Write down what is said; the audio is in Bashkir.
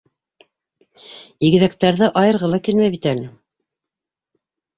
- Игеҙәктәрҙе айырғы ла килмәй бит әле.